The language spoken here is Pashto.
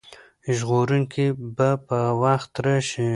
ژغورونکی به په وخت راشي.